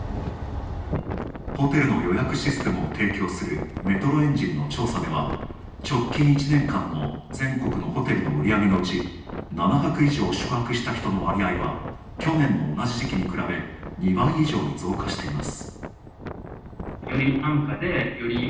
ホテルの予約システムを提供するメトロエンジンの調査では直近１年間の全国のホテルの売り上げのうち７泊以上宿泊した人の割合は去年の同じ時期に比べ２倍以上に増加しています。